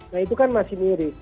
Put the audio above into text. nah itu kan masih mirip